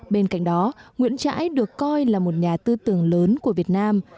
bên cạnh đó nguyễn trãi được coi là một nhà tư tưởng lớn của việt nam